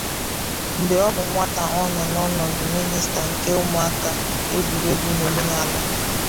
Mgbe ọ bụ nwata ọ nọ n'ọnọdụ Minista nke Ụmụaka, Egwuregwu na Omenala.